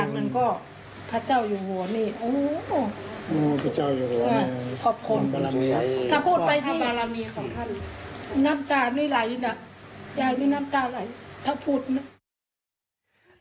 หน้ากล่านี่ไรไรหน้ากล่านี่ถ้าพูดมา